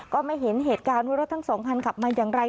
ก็ไม่เห็นเหตุการณ์ว่ารถทั้งสองคันขับมาอย่างไร